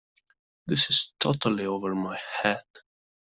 This is totally over my head.